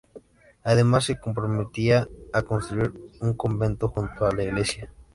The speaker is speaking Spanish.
Además se comprometía a construir un convento junto a la iglesia.